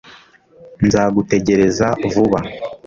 nzagutegereza vuba